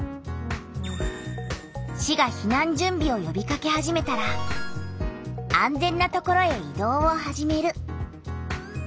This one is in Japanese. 市が避難準備をよびかけ始めたら「安全な所へ移動を始める」。